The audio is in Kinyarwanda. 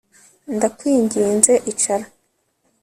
Ndakwinginze icara